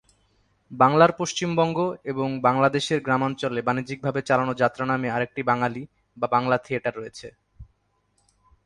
বাংলার পশ্চিমবঙ্গ এবং বাংলাদেশের গ্রামাঞ্চলে বাণিজ্যিকভাবে চালানো যাত্রা নামে আরেকটি বাঙালি বা বাংলা থিয়েটার রয়েছে।